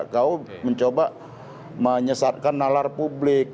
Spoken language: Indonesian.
kau mencoba menyesatkan nalar publik